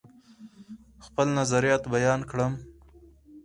خپل نظریات بیان کړم.